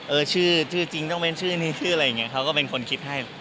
เออชื่อชื่อจริงต้องเป็นชื่อนี้ชื่ออะไรอย่างนี้เขาก็เป็นคนคิดให้